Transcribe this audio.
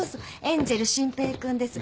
エンジェル真平君です。